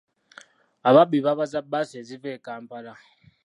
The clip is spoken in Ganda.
Ababbi babaza bbaasi eziva e Kampala